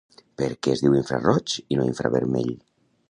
Per què es diu infraroig i no infravermell?